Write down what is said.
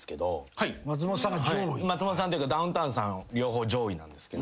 松本さんというかダウンタウンさん両方上位なんですが。